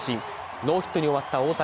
ノーヒットに終わった大谷。